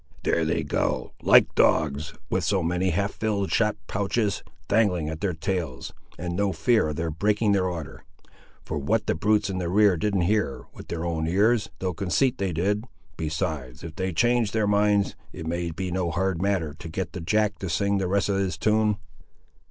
"There they go, like dogs with so many half filled shot pouches dangling at their tails, and no fear of their breaking their order; for what the brutes in the rear didn't hear with their own ears, they'll conceit they did: besides, if they change their minds, it may be no hard matter to get the Jack to sing the rest of his tune!"